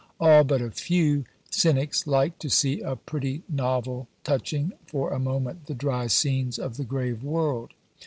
All but a few cynics like to see a pretty novel touching for a moment the dry scenes of the grave world.